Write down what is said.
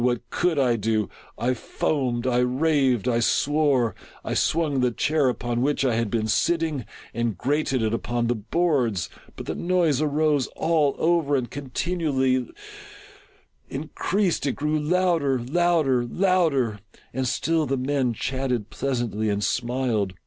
what could I do? I foamed — I raved — I swore ! I swung the chair upon which I had been sitting, and grated it upon the boards, but the noise arose over all and continually increased. It grew louder — louder — louder / And still the men chatted pleasantly, and smiled.